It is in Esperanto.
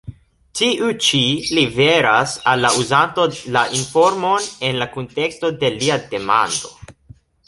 Tiu ĉi liveras al la uzanto la informon en la kunteksto de lia demando.